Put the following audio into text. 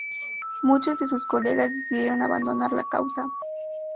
Muchos de sus colegas decidieron abandonar la causa.